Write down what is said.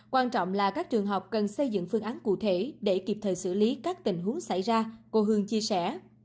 quan trọng là các trường học cần xây dựng phương án cụ thể để kịp thời xử lý các tình huống xảy ra cô hương chia sẻ